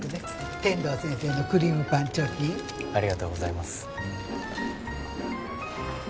天堂先生のクリームパン貯金ありがとうございます